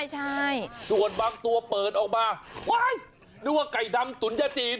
ใช่ส่วนบางตัวเปิดออกมาว้ายนึกว่าไก่ดำตุ๋นยาจีน